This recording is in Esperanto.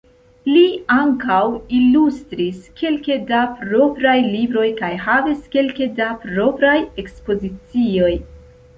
Li ankaŭ ilustris kelke da propraj libroj kaj havis kelke da propraj ekspozicioj.